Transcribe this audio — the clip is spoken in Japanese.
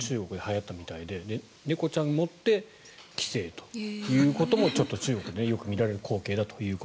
コロナに入って猫を飼うというのが中国ではやったみたいで猫ちゃんを持って帰省ということもちょっと中国でよく見られる光景だと。